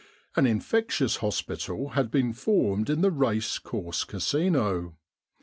An infectious hospital had been formed in the Race Course Casino.